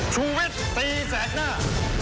ชูวิตตีแสกหน้า